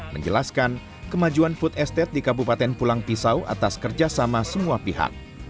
menjelaskan kemajuan food estate di kabupaten pulang pisau atas kerjasama semua pihak